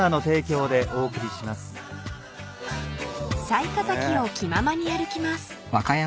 ［雑賀崎を気ままに歩きます］